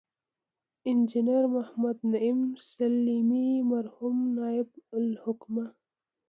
انجنیر محمد نعیم سلیمي، مرحوم نایب الحکومه